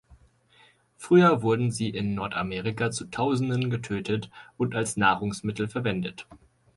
Früher wurden sie in Nordamerika zu Tausenden getötet und als Nahrungsmittel verwendet.